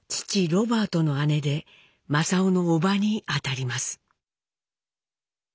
ロバートの姉で正雄の伯母にあたります。